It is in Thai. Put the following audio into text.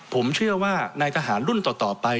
ผมเชื่อว่านายทหารรุ่นต่อไป